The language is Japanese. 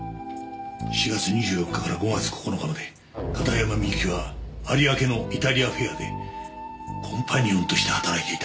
４月２４日から５月９日まで片山みゆきは有明のイタリア・フェアでコンパニオンとして働いていた。